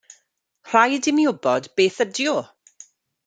Rhaid i mi wybod beth ydy o.